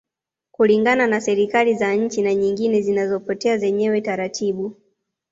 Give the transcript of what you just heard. Kulingana na serikali za nchi na nyingine zinapotea zenyewe taratibu